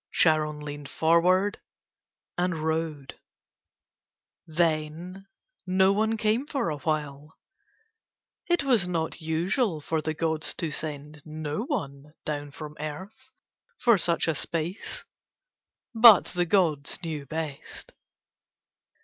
Charon leaned forward and rowed. Then no one came for a while. It was not usual for the gods to send no one down from Earth for such a space. But the gods knew best.